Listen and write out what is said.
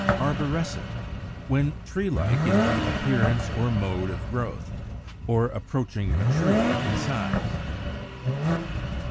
Arborescent, when tree like in appearance or mode of growth, or approaching a tree in size.